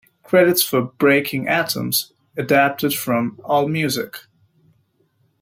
Credits for "Breaking Atoms" adapted from Allmusic.